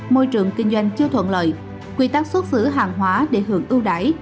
môi trường kinh doanh chưa thuận lợi quy tắc xuất xứ hàng hóa để hưởng ưu đải